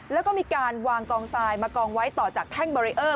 แล้วก็มีการวางกองทรายมากองไว้ต่อจากแท่งบารีเออร์